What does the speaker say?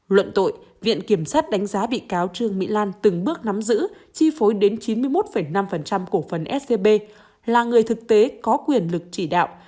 luận tội viện kiểm sát đánh giá bị cáo trương mỹ lan từng bước nắm giữ chi phối đến chín mươi một năm cổ phấn scb là người thực tế có quyền lực chỉ đạo